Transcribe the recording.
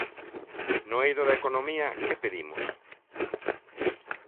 No eido da economía, ¿que pedimos?